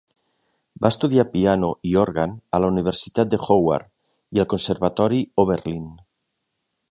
Va estudiar piano i òrgan a la Universitat de Howard i al Conservatori Oberlin.